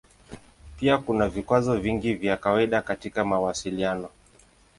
Pia kuna vikwazo vingi vya kawaida katika mawasiliano.